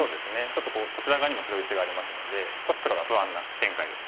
ちょっとこちら側にも白石がありますので少し黒が不安な展開です。